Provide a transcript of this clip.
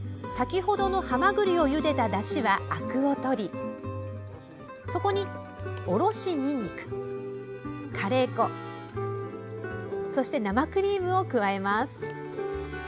先ほどのはまぐりをゆでただしはあくをとりそこに、おろしにんにくカレー粉、生クリームを加えます。